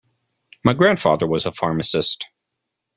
My grandfather was a pharmacist.